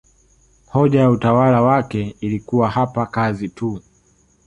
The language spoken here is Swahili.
Hoja ya utawala wake ilikuwa hapa kazi tu